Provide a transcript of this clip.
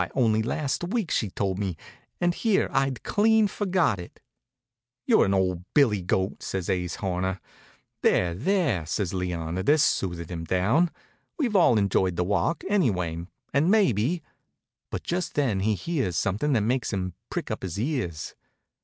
Only last week she told me, and here I'd clean forgot it." "You're an old billy goat!" says Ase Horner. "There, there!" says Leonidas, soothing him down. "We've all enjoyed the walk, anyway, and maybe " But just then he hears something that makes him prick up his ears.